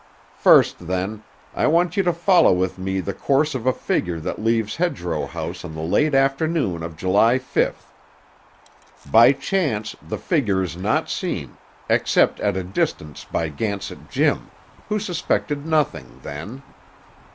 First, then, I want you to follow with me the course of a figure that leaves Hedgerow House on the late afternoon of July fifth. By chance, the figure is not seen, except at a distance by Gansett Jim, who suspected nothing, then.